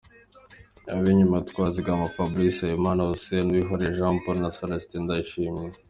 Ab’inyuma: Twagizimana Fabrice, Habimana Husein, Uwihoreye Jean Paul na Celestin Ndayishimiye.